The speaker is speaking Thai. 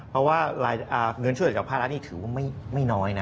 เพราะว่าเงินช่วยจากพ่าร้านนี้ถือว่าไม่น้อยนะ